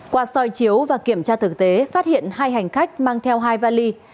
qua soi chiếu và kiểm tra thực tế phát hiện hai hành khách mang theo hai vali